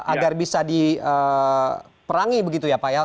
agar bisa diperangi begitu ya pak ya